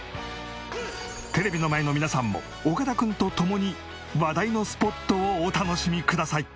テレビの前の皆さんも岡田君とともに話題のスポットをお楽しみください。